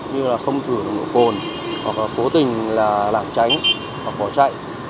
như là không thử một mũ cồn hoặc là cố tình là lạng tránh hoặc bỏ chạy